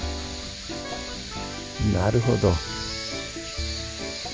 なるほど。